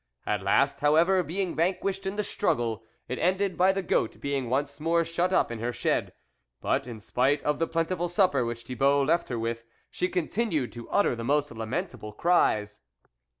At last, however, being vanquished in the struggle, it ended by the goat being once more shut up in her shed, but, in spite of the plenti ful supper which Thibault left her with, she continued to utter the most lament able cries.